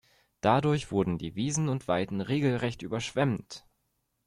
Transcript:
Dadurch wurden die Wiesen und Weiden regelrecht überschwemmt.